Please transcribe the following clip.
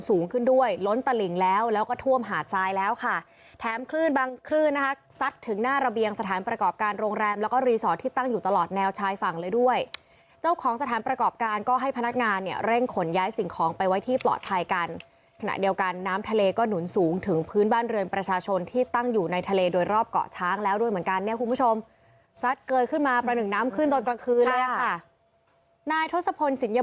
สูงขึ้นด้วยล้นตะหลิงแล้วแล้วก็ท่วมหาดทรายแล้วค่ะแถมคลื่นบางคลื่นนะคะซัดถึงหน้าระเบียงสถานประกอบการโรงแรมแล้วก็รีสอร์ทที่ตั้งอยู่ตลอดแนวชายฝั่งเลยด้วยเจ้าของสถานประกอบการก็ให้พนักงานเนี่ยเร่งขนย้ายสิ่งของไปไว้ที่ปลอดภัยกันขณะเดียวกันน้ำทะเลก็หนุนสูงถึงพื้นบ้านเรือนป